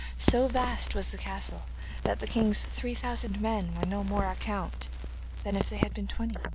So vast was the castle that the king's three thousand men were of no more account than if they had been twenty.